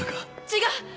違う！